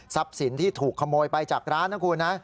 สินที่ถูกขโมยไปจากร้านนะคุณนะ